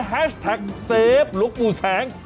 แฮชแท็กลูกบู๋แสง